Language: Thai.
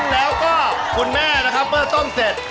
แล้วก็คุณแม่เพิ่มส้มเสร็จ